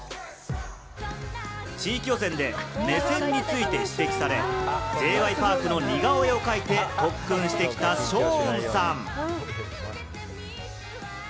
地域予選で目線について指摘され、Ｊ．Ｙ．Ｐａｒｋの似顔絵を描いて特訓してきたショーンさん。